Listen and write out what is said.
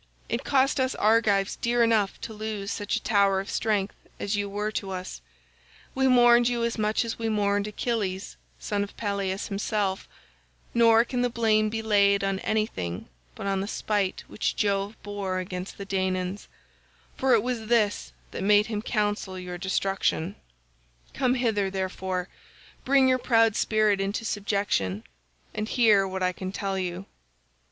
It cost us Argives dear enough to lose such a tower of strength as you were to us. We mourned you as much as we mourned Achilles son of Peleus himself, nor can the blame be laid on anything but on the spite which Jove bore against the Danaans, for it was this that made him counsel your destruction—come hither, therefore, bring your proud spirit into subjection, and hear what I can tell you.